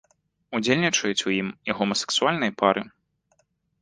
Удзельнічаюць у ім і гомасэксуальныя пары.